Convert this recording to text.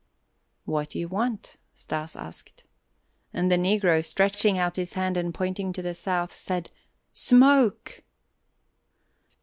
"What do you want?" Stas asked. And the negro, stretching out his hand and pointing to the south, said: "Smoke!"